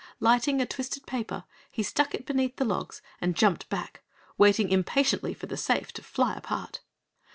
Lighting a twisted paper, he stuck it beneath the logs and jumped back, waiting impatiently for the safe to fly apart.